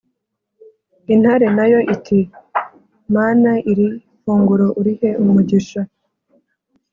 intare nayo iti"mana iri funguro urihe umugisha".